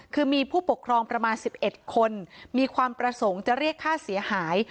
คือมีผู้ปกครองประมาณ๑๑คนมีความประสงค์จะเรียกค่าเสียหาย